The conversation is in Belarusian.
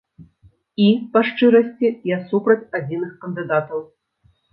І, па шчырасці, я супраць адзіных кандыдатаў.